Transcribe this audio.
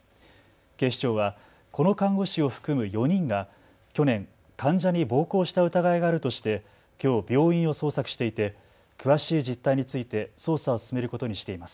警視庁はこの看護師を含む４人が去年、患者に暴行した疑いがあるとしてきょう病院を捜索していて詳しい実態について捜査を進めることにしています。